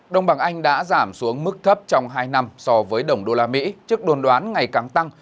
đồng bằng anh đã giảm xuống mức thấp trong hai năm so với đồng usd trước đồn đoán ngày càng tăng